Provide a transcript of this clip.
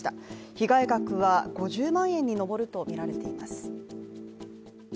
被害額は５０万円に上るとみられています。